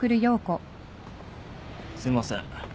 すいません。